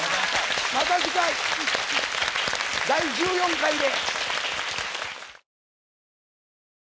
また次回第１４回で。